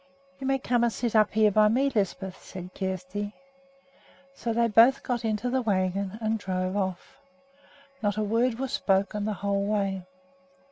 "You may come and sit up here by me, Lisbeth," said Kjersti. So they both got into the wagon and drove off. Not a word was spoken the whole way.